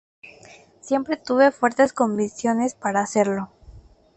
Siempre tuve fuertes convicciones para hacerlo.